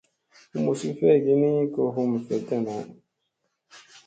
Humusi feegii ni ko hum veɗta naa.